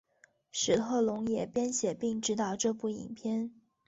史特龙也编写并执导这部影片。